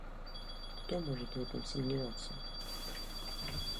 Кто может в этом сомневаться?